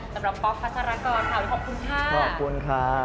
สำหรับป๊อกภัสรากรขอบคุณค่ะ